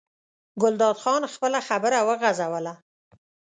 ګلداد خان خپله خبره وغځوله.